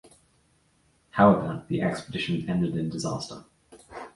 However, the expedition ended in disaster.